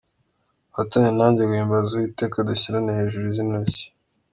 Mufatanye nanjye guhimbaza Uwiteka, Dushyirane hejuru izina rye.